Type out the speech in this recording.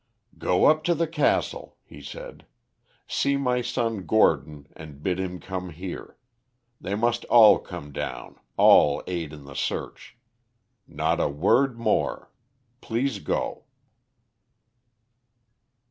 "Go up to the castle," he said. "See my son Gordon and bid him come here. They must all come down, all aid in the search. Not a word more; please go."